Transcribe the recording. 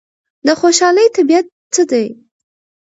د خوشحالۍ طبیعت څه دی؟